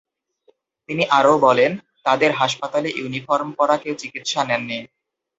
তিনি আরও বলেন, তাঁদের হাসপাতালে ইউনিফর্ম পরা কেউ চিকিৎসা নেননি।